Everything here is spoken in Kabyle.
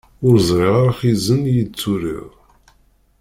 Ur ẓriɣ ara izen iyi-d-turiḍ.